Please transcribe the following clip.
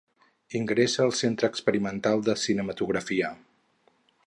Ingressa al centre experimental de Cinematografia.